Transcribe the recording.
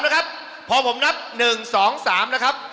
คลองนะครับ